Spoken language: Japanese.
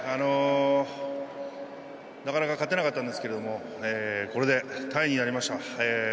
なかなか勝てなかったんですけれどもこれでタイになりました。